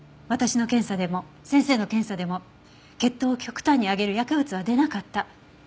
私の検査でも先生の検査でも血糖を極端に上げる薬物は出なかった。